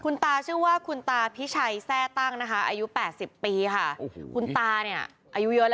คุณตาชื่อว่าคุณตาพิชัยแทร่ตั้งนะคะอายุ๘๐ปีค่ะคุณตาเนี่ยอายุเยอะแล้ว